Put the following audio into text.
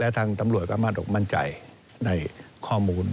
และทางตำรวจมาถูกมั่นใจในข้อมูล